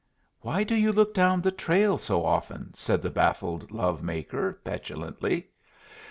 "Why do you look down the trail so often?" said the baffled love maker, petulantly.